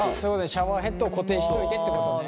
シャワーヘッドを固定しといてってことね。